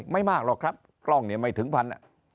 ไม่มากหรอกครับกล้องเนี่ยไม่ถึงพัน